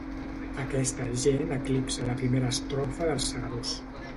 Aquesta gent eclipsa la primera estrofa dels segadors.